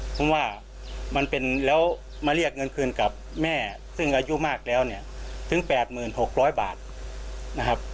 เพราะว่ามันเป็นแล้วมาเรียกเงินคืนกับแม่ซึ่งอายุมากแล้วเนี่ยถึง๘๖๐๐บาทนะครับ